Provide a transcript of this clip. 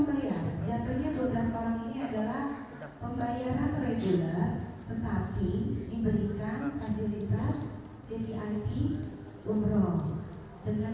misalnya ada banyak paket yang belum ditawarkan